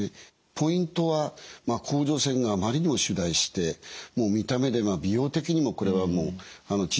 ポイントは甲状腺があまりにも腫大してもう見た目で美容的にもこれはもう小さくした方がいいという方。